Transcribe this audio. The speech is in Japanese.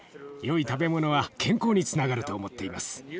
よい食べ物は健康につながると思っています。